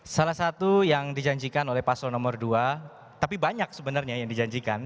salah satu yang dijanjikan oleh paslon nomor dua tapi banyak sebenarnya yang dijanjikan